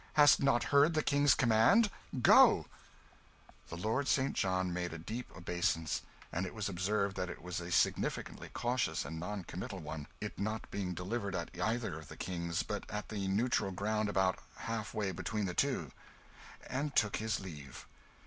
Hast not heard the King's command? Go!" The Lord St. John made a deep obeisance and it was observed that it was a significantly cautious and non committal one, it not being delivered at either of the kings, but at the neutral ground about half way between the two and took his leave.